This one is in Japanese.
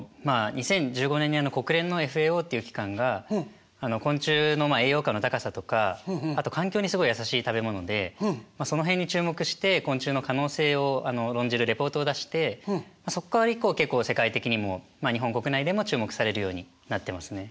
まあ２０１５年に国連のＦＡＯという機関が昆虫の栄養価の高さとかあと環境にすごい優しい食べ物でその辺に注目して昆虫の可能性を論じるレポートを出してそこから以降結構世界的にも日本国内でも注目されるようになってますね。